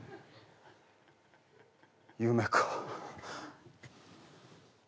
夢か。